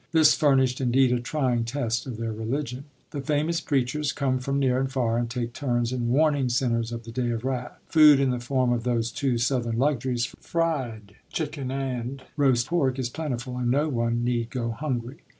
This furnished, indeed, a trying test of their religion. The famous preachers come from near and far and take turns in warning sinners of the day of wrath. Food, in the form of those two Southern luxuries, fried chicken and roast pork, is plentiful, and no one need go hungry.